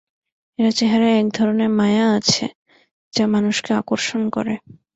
এর চেহারায় এক ধরনের মায়া আছে যা মানুষকে আকর্ষণ করে।